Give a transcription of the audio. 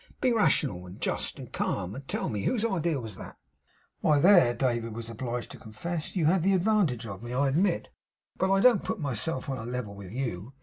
Be rational, and just, and calm, and tell me whose idea was that.' 'Why, there,' David was obliged to confess, 'you had the advantage of me, I admit. But I don't put myself on a level with you.